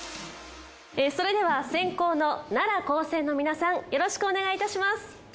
それでは先攻の奈良高専の皆さんよろしくお願いいたします。